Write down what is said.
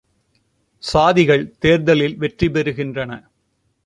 சாதிகள் தேர்தலில் வெற்றி பெறுகின்றன.